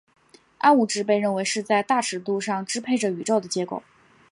暗物质被认为是在大尺度上支配着宇宙的结构。